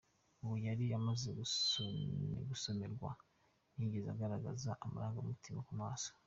Ubwo yari amaze gusomerwa ntigeze agaragaza amarangamutima ku maso .